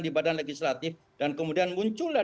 di badan legislatif dan kemudian muncullah